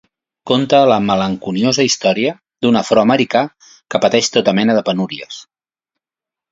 Conta la malenconiosa història d'un afroamericà que pateix tota mena de penúries.